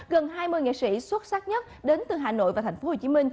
gần hai mươi nghệ sĩ xuất sắc nhất đến từ hà nội và tp hcm